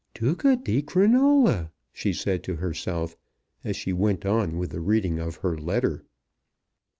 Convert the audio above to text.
"Duca di Crinola!" she said to herself, as she went on with the reading of her letter.